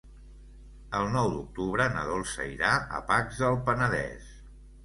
El nou d'octubre na Dolça irà a Pacs del Penedès.